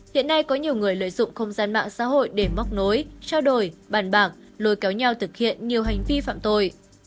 hiện nay có nhiều người lợi dụng không gian mạng xã hội để móc nối trao đổi bàn bạc lôi kéo nhau thực hiện nhiều hành vi phạm tội